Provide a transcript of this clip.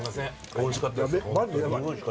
おいしかったです。